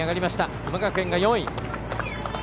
須磨学園が４位。